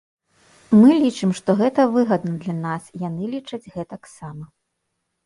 Мы лічым, што гэта выгадна для нас, яны лічаць гэтаксама.